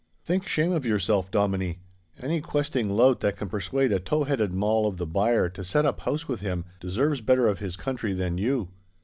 Think shame of yourself, Dominie. Any questing lout that can persuade a tow headed Mall of the byre to set up house with him, deserves better of his country than you.